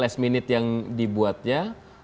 last minute yang dibuatnya